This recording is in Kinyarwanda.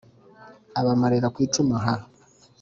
abamarira ku icumu ha!